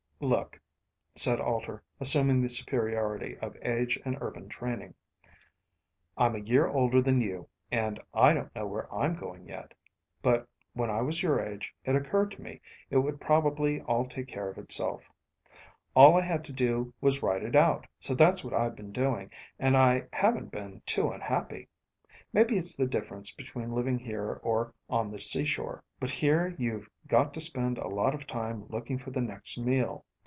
"Look," said Alter, assuming the superiority of age and urban training, "I'm a year older than you, and I don't know where I'm going yet. But when I was your age, it occurred to me it would probably all take care of itself. All I had to do was ride it out. So that's what I've been doing, and I haven't been too unhappy. Maybe it's the difference between living here or on the seashore. But here you've got to spend a lot of time looking for the next meal.